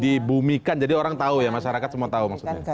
dibumikan jadi orang tahu ya masyarakat semua tahu maksudnya